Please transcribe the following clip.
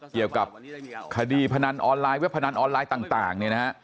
เกี่ยวกับคดีพนันออนไลน์วิวพนันออนไลน์ต่าง